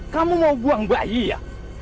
kamu mau buang bayi ya